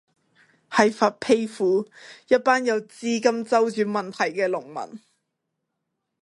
喺佛丕府，一班有資金周轉問題嘅農民